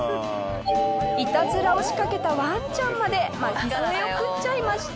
イタズラを仕掛けたワンちゃんまで巻き添えを食っちゃいました。